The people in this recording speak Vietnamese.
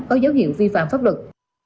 có dấu hiệu vi phạm pháp luật